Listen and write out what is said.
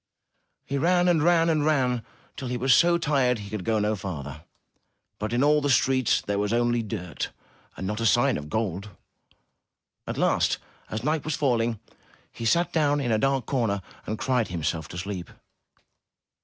He ran and ran and ran till he was so tired he could go no farther, but in all the streets there was only dirt and not a sign of gold. At last, as night was falling, he sat down in a dark corner, and cried himself to sleep.